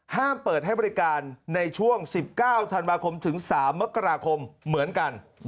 ห้ามเปิดให้บริการในช่วง๑๙ธันวาคมถึง๓มกราคมเหมือนกัน